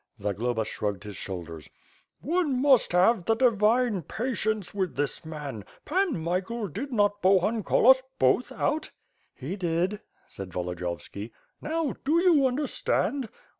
Zagloba shrugged his shoulders. "One must have the divine patience with this man. Pan Michael, did not Bohun call us both out?" "He did," said Volodiyovski. "Now, do you understand?"